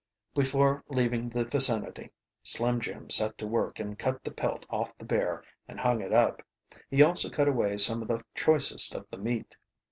Before leaving the vicinity Slim Jim set to work and cut the pelt off the bear and hung it up. He also cut away some of the choicest of the meat.